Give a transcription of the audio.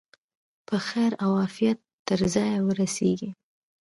په خیر او عافیت تر ځایه ورسیږي.